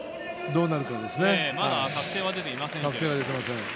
確定は出ていません。